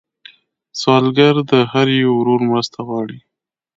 سوالګر د هر یو ورور مرسته غواړي